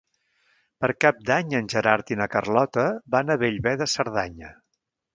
Per Cap d'Any en Gerard i na Carlota van a Bellver de Cerdanya.